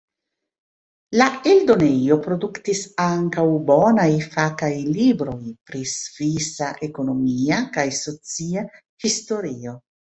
La eldonejo produktis ankaŭ bonaj fakaj libroj pri svisa ekonomia kaj socia historio.